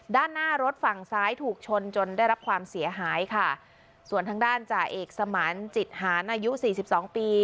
ด้านหน้ารถฝั่งซ้ายถูกชนจนได้รับความเสียหายค่ะส่วนทางด้านจ่าเอกสมันจิตหารอายุสี่สิบสองปี